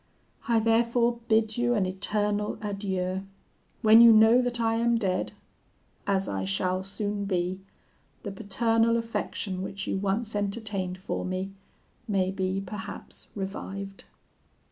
I, therefore, bid you an eternal adieu. When you know that I am dead, as I shall soon be, the paternal affection which you once entertained for me may be perhaps revived.'